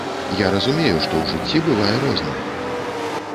Я разумею, што ў жыцці бывае рознае.